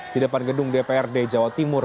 di depan gedung dprd jawa timur